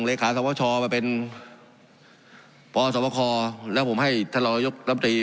เลขาสมครมาเป็นปสมครแล้วผมให้ทหารรยกรรมตรี